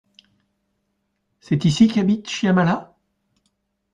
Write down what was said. C’est ici qu’habite Shyamala ?